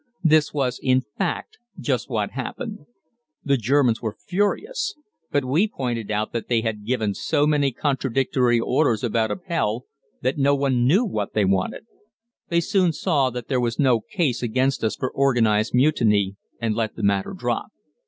This was, in fact, just what happened. The Germans were furious, but we pointed out that they had given so many contradictory orders about Appell that no one knew what they wanted. They soon saw that there was no case against us for organized mutiny and let the matter drop.